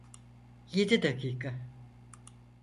Yedi dakika?